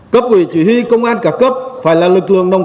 cấp quỷ chủ huy công an cả cấp phải là lực lượng nông